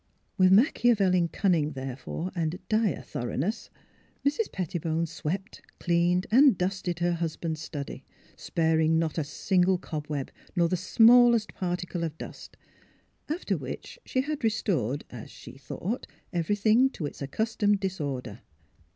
With Machiavellian cunning there fore, and dire thoroughness, Mrs. Pettibone swept, cleaned, and dusted her husband's study, sparing not a single cobweb, nor the smallest par ticle of dust. After which she had restored (as she thought) everything to its accustomed dis order.